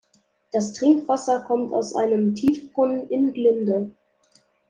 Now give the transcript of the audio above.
Das Trinkwasser kommt aus einem Tiefbrunnen in Glinde.